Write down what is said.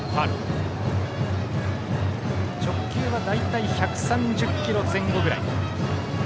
直球は大体１３０キロ前後くらい。